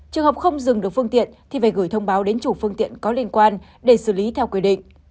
trường hợp không dừng được phương tiện thì phải gửi thông báo đến chủ phương tiện có liên quan để xử lý theo quy định